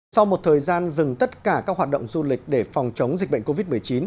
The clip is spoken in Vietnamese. sau một thời gian dừng tất cả các hoạt động du lịch để phòng chống dịch bệnh covid một mươi chín